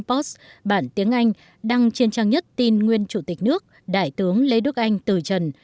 post bản tiếng anh đăng trên trang nhất tin nguyên chủ tịch nước đại tướng lê đức anh từ trần